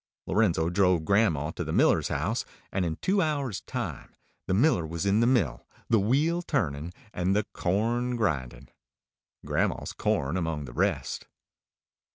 Lorenzo drove grandma to the miller's house, and in two hours' time the miller was in the mill, the wheel turning, and the corn grinding grandma's corn among the rest.